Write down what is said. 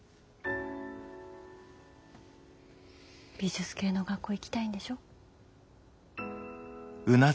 美術系の学校行きたいんでしょ？